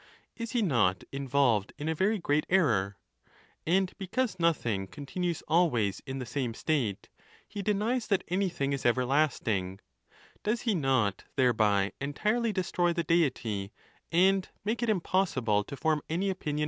Is he not involved in a very great error? And because nothing continues always in the same state, he denies that anything is everlasting, does he not thereby entirely destroy the Deity, and make it im possible to form any opinion of him